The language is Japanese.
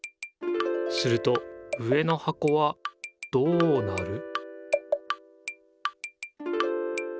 すると上のはこはどうなる？